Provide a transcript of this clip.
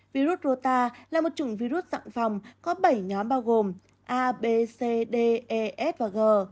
virus rô ta là một trùng virus dặn phòng có bảy nhóm bao gồm a b c d e s và g